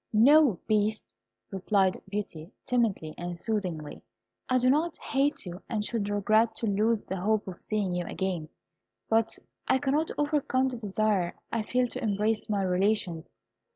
"No, Beast," replied Beauty, timidly and soothingly; "I do not hate you, and should regret to lose the hope of seeing you again; but I cannot overcome the desire I feel to embrace my relations.